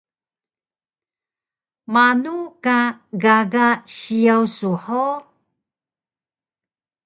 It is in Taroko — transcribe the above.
Manu ka gaga siyaw su hug?